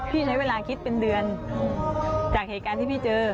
ใช้เวลาคิดเป็นเดือนจากเหตุการณ์ที่พี่เจอ